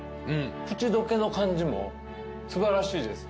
口溶けの感じも素晴らしいです。